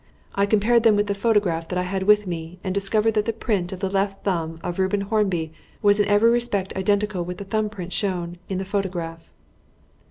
I compared them with the photograph that I had with me and discovered that the print of the left thumb of Reuben Hornby was in every respect identical with the thumb print shown in the photograph."